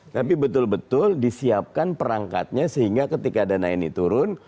tapi betul betul disiapkan perangkatnya sehingga ketika dana ini turun